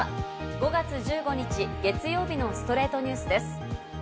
５月１５日、月曜日の『ストレイトニュース』です。